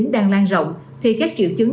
đang lan rộng thì các triệu chứng